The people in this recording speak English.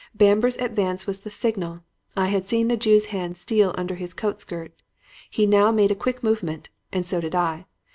Bamber's advance was the signal. I had seen the Jew's hand steal under his coat skirt. He now made a quick movement and so did I.